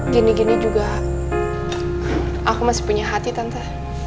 gini gini juga aku masih punya hati tante